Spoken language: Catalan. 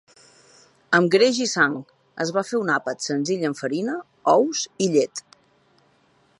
Amb greix i sang, es va fer un àpat senzill amb farina, ous i llet.